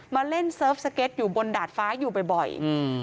มาเล่นเซิร์ฟสเก็ตอยู่บนดาดฟ้าอยู่บ่อย